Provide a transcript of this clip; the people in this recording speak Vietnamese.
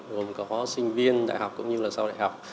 gồm có sinh viên đại học cũng như là sau đại học